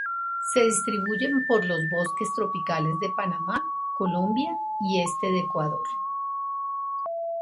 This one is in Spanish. Se distribuyen por los bosques tropicales de Panamá, Colombia y este de Ecuador.